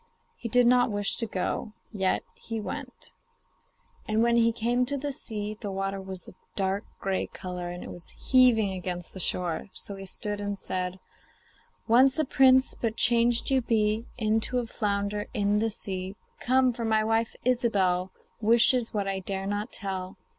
He did not wish to go, yet he went. When he came to the sea, the water was a dark grey colour, and it was heaving against the shore. So he stood and said: 'Once a prince, but changed you be Into a flounder in the sea. Come! for my wife, Ilsebel, Wishes what I dare not tell.